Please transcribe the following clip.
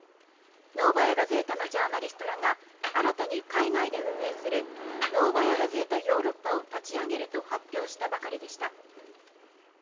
「ノーバヤ・ガゼータ」のジャーナリストらが新たに海外で運営するノーバヤ・ガゼータ・ヨーロッパを立ち上げると発表したばかりでした。